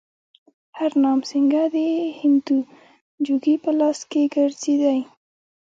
هرنام سینګه د هندو جوګي په لباس کې ګرځېدی.